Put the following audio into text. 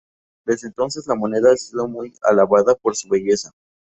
Desde entonces, la moneda ha sido muy alabada por su belleza.